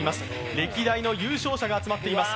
歴代の優勝者が集まっています。